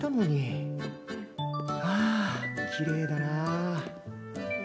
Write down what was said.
ああきれいだな。